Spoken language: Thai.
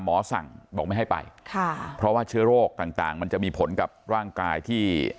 หมอสั่งบอกไม่ให้ไปค่ะเพราะว่าเชื้อโรคต่างต่างมันจะมีผลกับร่างกายที่